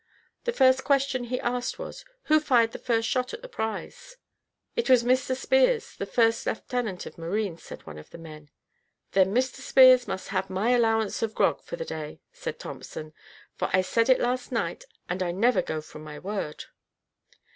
The first question he asked was, "Who fired the first shot at the prize?" "It was Mr Spears, the first lieutenant of marines," said one of the men. "Then Mr Spears must have my allowance of grog for the day," said Thompson; "for I said it last night, and I never go from my word."